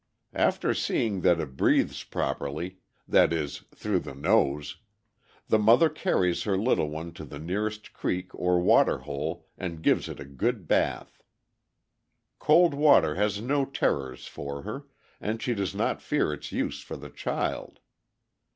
After seeing that it breathes properly that is, through the nose the mother carries her little one to the nearest creek or water hole and gives it a good bath. Cold water has no terrors for her, and she does not fear its use for the child.